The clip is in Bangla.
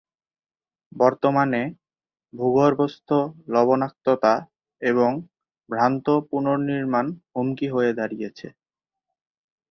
বর্তমানে, ভূগর্ভস্থ লবণাক্ততা এবং ভ্রান্ত পুনর্নির্মাণ হুমকি হয়ে দাঁড়িয়েছে।